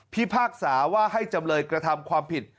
พากษาว่าให้จำเลยกระทำความผิด